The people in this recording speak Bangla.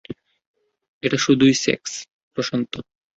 এটা শুধুই সেক্স, প্রশান্ত।